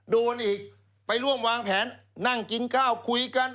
โดนอีกไปร่วมวางแผนนั่งกินข้าวคุยกัน